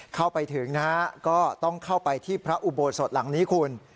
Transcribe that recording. เข้าไปถึงนะฮะก็ต้องเข้าไปที่พระอุโบสถหลังนี้คุณ